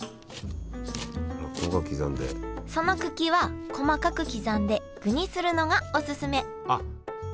その茎は細かく刻んで具にするのがオススメあっ